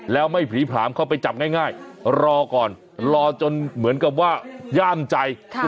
แล้วไม่ผลีผลามเข้าไปจับง่ายรอก่อนรอจนเหมือนกับว่าย่ามใจ